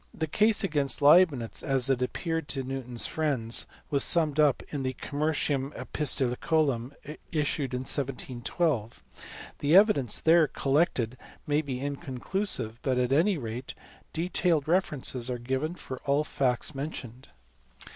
The case against Leibnitz as it appeared to Newton s friends was summed up in the Commercium Episto licum issued in 1712. The evidence there collected may be inconclusive, but at any rate detailed references are given for all the facts mentioned.